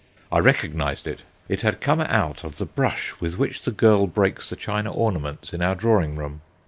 I recognised it. It had come out of the brush with which the girl breaks the china ornaments in our drawing room.